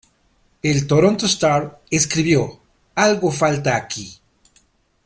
El "Toronto Star" escribió: "Algo falta aquí.